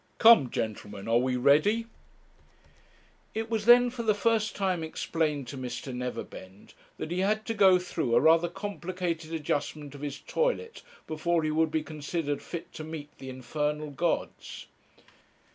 Come, gentlemen, are we ready?' It was then for the first time explained to Mr. Neverbend that he had to go through a rather complicated adjustment of his toilet before he would be considered fit to meet the infernal gods.